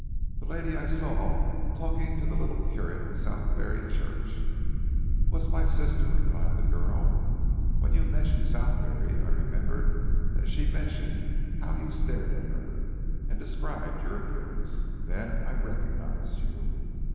The lady I saw talking to the little curate in Southberry church!" "Was my sister," replied the girl. "When you mentioned Southberry, I remembered that she mentioned how you stared at her, and described your appearance. Then I recognised you."